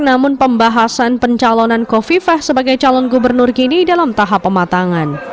namun pembahasan pencalonan kofifah sebagai calon gubernur kini dalam tahap pematangan